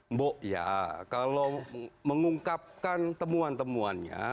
mbok ya kalau mengungkapkan temuan temuannya